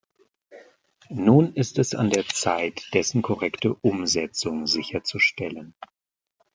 Nun ist es an der Zeit, dessen korrekte Umsetzung sicherzustellen.